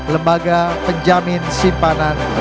lembaga penjamin simpanan